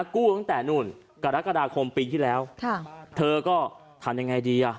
กู้ตั้งแต่กรกฎาคมปีที่แล้วเธอก็ทันยังไงดี